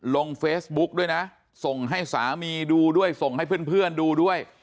ลงเฟซบุ๊กด้วยนะส่งให้สามีดูด้วยส่งให้เพื่อนดูด้วย